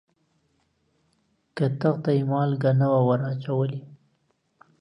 کتغ ته یې مالګه نه وه وراچولې.